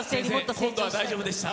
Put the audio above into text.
今度は大丈夫でした。